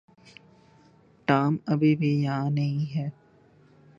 Tom ابھی بھی یہاں نہیں ہے۔